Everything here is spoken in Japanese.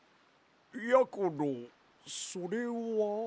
やころそれは？